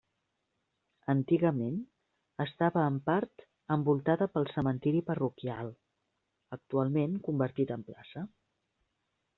Antigament estava en part envoltada pel cementiri parroquial, actualment convertit en plaça.